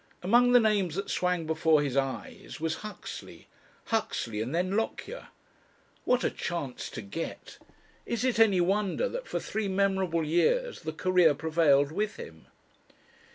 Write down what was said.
Among the names that swam before his eyes was Huxley Huxley and then Lockyer! What a chance to get! Is it any wonder that for three memorable years the Career prevailed with him?